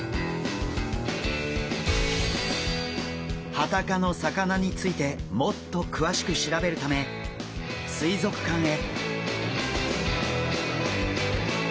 ハタ科の魚についてもっとくわしく調べるため水族館へ。